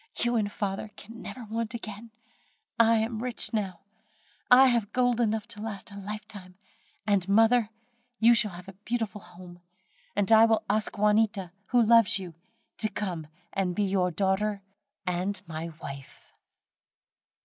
you and father can never want again, I am rich now. I have gold enough to last a lifetime; and, mother, you shall have a beautiful home: and I will ask Juanita, who loves you, to come and be your daughter and my wife."